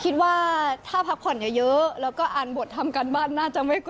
คิดว่าถ้าพักผ่อนเยอะแล้วก็อ่านบททำการบ้านน่าจะไม่พอ